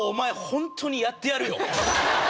ホントにやってやるよ。